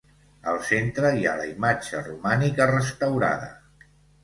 Al centre hi ha la imatge romànica restaurada.